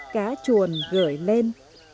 cá chuồn gửi lên